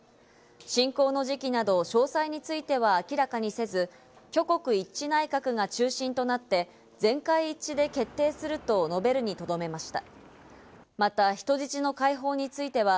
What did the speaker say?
侵攻の時期など詳細については明らかにせず、挙国一致内閣が中心となって、全会一致で決定すると述べるにとどめました。